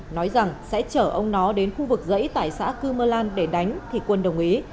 nói rằng sẽ chở ông nó đến khu vực dãy tại xã cư mơ lan để đánh thì quân đồng ý